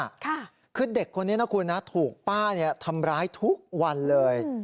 ค่ะคือเด็กคนนี้นะคุณนะถูกป้าเนี่ยทำร้ายทุกวันเลย